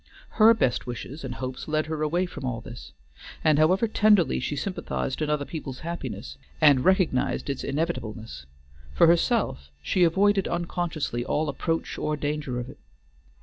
Her best wishes and hopes led her away from all this, and however tenderly she sympathized in other people's happiness, and recognized its inevitableness, for herself she avoided unconsciously all approach or danger of it.